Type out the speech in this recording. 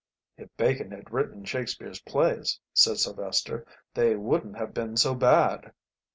"If Bacon had written Shakespeare's plays," said Silvester, "they wouldn't have been so bad."